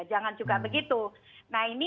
jangan juga begitu nah ini